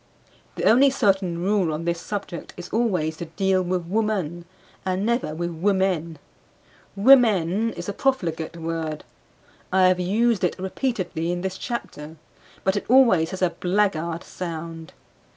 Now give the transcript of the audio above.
The only certain rule on this subject is always to deal with woman and never with women. "Women" is a profligate word; I have used it repeatedly in this chapter; but it always has a blackguard sound.